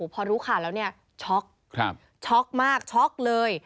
พอรู้ข่าวแล้วเนี่ยช็อกช็อกมากช็อกเลย